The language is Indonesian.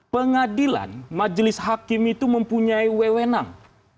pengadilan majelis hakim itu mempunyai wewenang